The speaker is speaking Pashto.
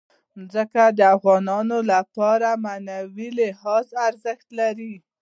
ځمکه د افغانانو لپاره په معنوي لحاظ ارزښت لري.